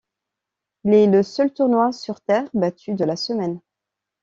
Il est le seul tournoi sur terre battue de la semaine.